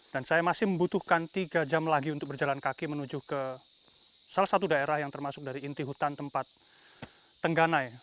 dan saya masih membutuhkan tiga jam lagi untuk berjalan kaki menuju ke salah satu daerah yang termasuk dari inti hutan tempat tengganai